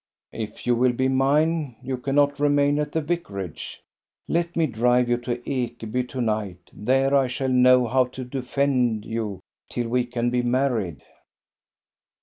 " If you will be mine, you cannot remain at the vicarage. Let me drive you to Ekeby to night; there I shall know how to defend you tiU we can be married."